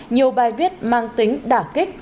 nhiều bài viết mang tính đả kích